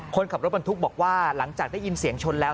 คนขับรถบรรทุกบอกว่าหลังจากได้ยินเสียงชนแล้ว